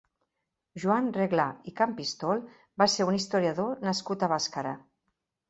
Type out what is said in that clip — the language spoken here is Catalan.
Joan Reglà i Campistol va ser un historiador nascut a Bàscara.